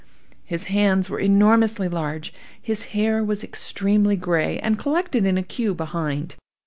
His hands were enormously large. His hair was extremely gray, and collected into a queue behind.